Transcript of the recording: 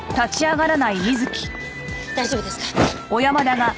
大丈夫ですか？